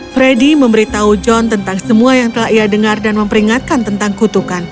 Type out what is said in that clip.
freddy memberitahu john tentang semua yang telah ia dengar dan memperingatkan tentang kutukan